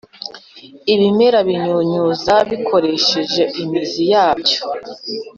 ibimera binyunyuza bikoresheje imizi yabyo.